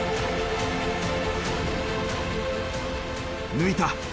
抜いた！